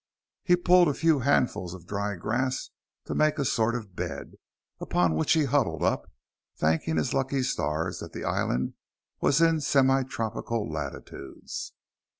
He pulled a few handfuls of dry grass to make a sort of bed, upon which he huddled up, thanking his lucky stars that the island was in semi tropical latitudes.